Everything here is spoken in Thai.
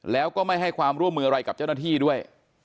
แล้วก็ไม่ให้ความร่วมมืออะไรกับเจ้าหน้าที่ด้วย